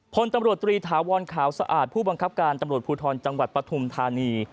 พลตำรวจตรีถาวรขาวสะอาดผู้บังคับการตำรวจภูทรจังหวัดปฐุมธานี